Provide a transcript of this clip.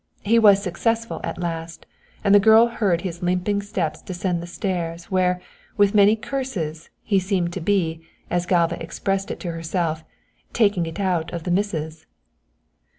He was successful at last, and the girl heard his limping steps descend the stairs, where, with many curses, he seemed to be, as Galva expressed it to herself, "taking it out of the missus!"